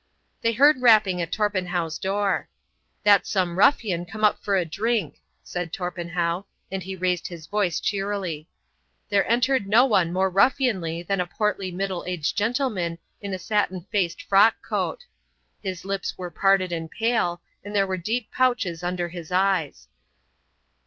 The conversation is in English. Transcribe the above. They heard rapping at Torpenhow's door. "That's some ruffian come up for a drink," said Torpenhow; and he raised his voice cheerily. There entered no one more ruffianly than a portly middle aged gentleman in a satin faced frockcoat. His lips were parted and pale, and there were deep pouches under the eyes.